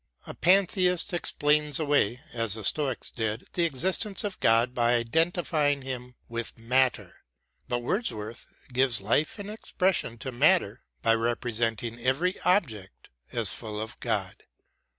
A Pantheist explains away, as the Stoics did, the existence of God by identifying him with matter ; but Words worth gives life and expression to matter by representing every object as full of God.